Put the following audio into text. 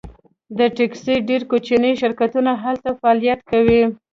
د ټکسي ډیر کوچني شرکتونه هلته فعالیت کوي